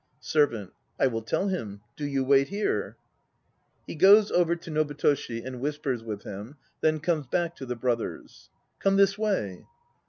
SERVANT. I will tell him. Do you wait here. (He goes over to NOBUTOSHI and whispers with him 9 then comes back to the BROTHERS.) Come this way.